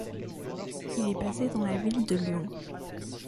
Il est basé dans la ville de Lyon.